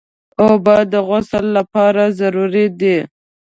اوبه د غسل لپاره ضروري دي.